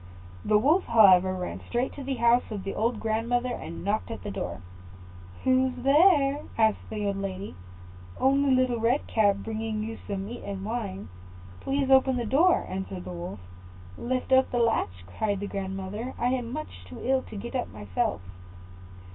The Wolf, however, ran straight to the house of the old grandmother, and knocked at the door. "Who's there?" asked the old lady. "Only Little Red Cap, bringing you some meat and wine; please open the door," answered the Wolf. "Lift up the latch," cried the grandmother; "I am much too ill to get up myself."